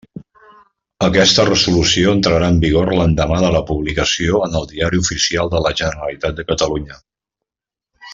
Aquesta resolució entrarà en vigor l'endemà de la publicació en el Diari Oficial de la Generalitat de Catalunya.